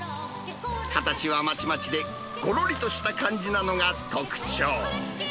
形はまちまちで、ごろりとした感じなのが特徴。